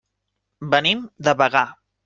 Venim de Bagà.